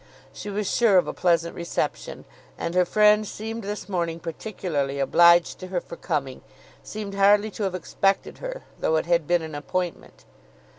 She was sure of a pleasant reception; and her friend seemed this morning particularly obliged to her for coming, seemed hardly to have expected her, though it had been an appointment.